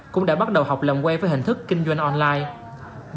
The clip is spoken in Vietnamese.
cũng đã bắt đầu học làm quen với hình thức kinh doanh online